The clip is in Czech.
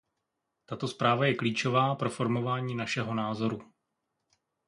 Tato zpráva je klíčová pro formování našeho názoru.